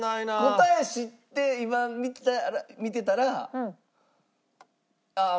答え知って今見てたらああ